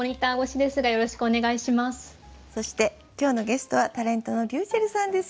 そして今日のゲストはタレントのりゅうちぇるさんです。